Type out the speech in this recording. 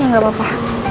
ya enggak apa apa